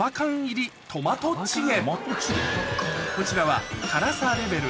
こちらは辛さレベル